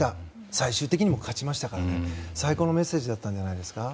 最終的にも勝ちましたから最高のメッセージだったんじゃないですか。